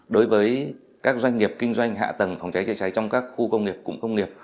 đối với các doanh nghiệp kinh doanh hạ tầng phòng cháy chữa cháy trong các khu công nghiệp